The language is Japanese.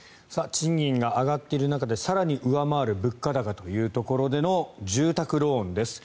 賃金が上がっている中で更に上回る物価高という中での住宅ローンです。